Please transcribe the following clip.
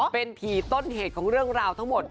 เป็นผีต้นเหตุของเรื่องราวทั้งหมด